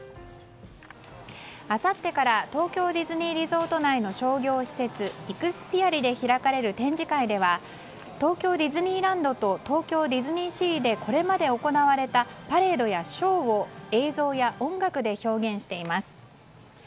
あさってから東京ディズニーリゾート内の商業施設、イクスピアリで開かれる展示会では東京ディズニーランドと東京ディズニーシーでこれまで行われたパレードやショーを映像や音楽で表現しています。